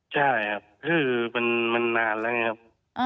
ใช่ครับคือมันนานแล้วไงครับ